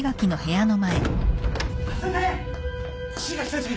・先生！